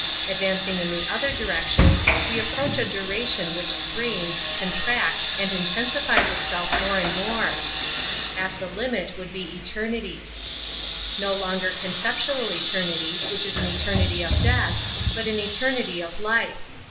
Advancing in the other direction, we approach a duration which strains, contracts, and intensifies itself more and more; at the limit would be ' An Introduction to eternitj... No longer conceptual eternity, which is an eternity of death, but an eter nity of life.